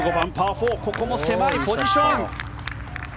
４ここも狭いポジション。